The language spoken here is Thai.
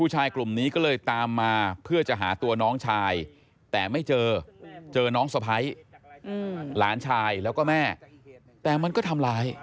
หลานชายแล้วก็แม่แต่มันก็ทำร้าย